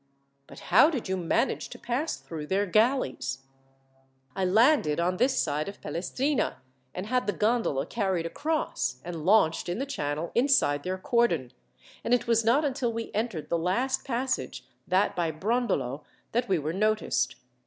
"But how did you manage to pass through their galleys?" "I landed on this side of Pelestrina, and had the gondola carried across, and launched in the channel inside their cordon; and it was not until we entered the last passage that by Brondolo that we were noticed.